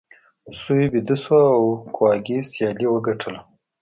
سوی ویده شو او کواګې سیالي وګټله.